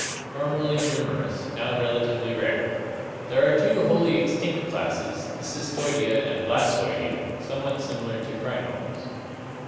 Formerly numerous, now relatively rare. There are two wholly extinct classes, the Cystoidea and Blastoidea, somewhat similar to crinoids.